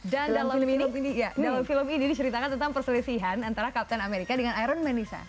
dan dalam film ini diceritakan tentang perselisihan antara captain america dengan iron man lisa